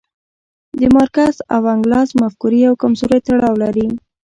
د مارکس او انګلز مفکورې یو کمزوری تړاو لري.